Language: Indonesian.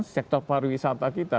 sektor pariwisata kita